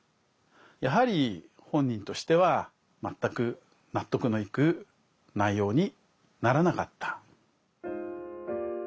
やはり本人としては全く納得のいく内容にならなかった。